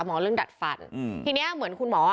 เรื่องดัดฟันทีเนี้ยเหมือนคุณหมอ